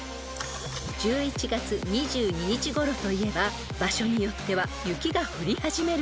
［１１月２２日ごろといえば場所によっては雪が降り始めるころ］